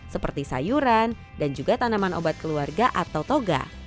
seperti sayuran dan juga tanaman obat keluarga atau toga